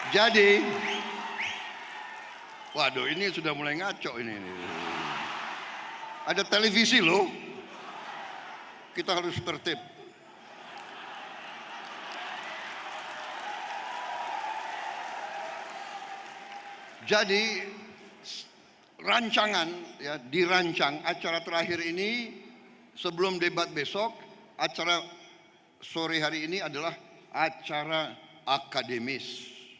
jadi rancangan dirancang acara terakhir ini sebelum debat besok acara sore hari ini adalah acara akademis